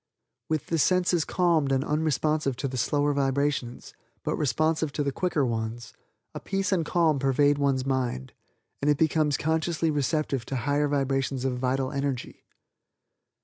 "With the senses calmed and unresponsive to the slower vibrations, but responsive to the quicker ones, a peace and calm pervade one's mind, and it becomes consciously receptive to higher vibrations of vital energy.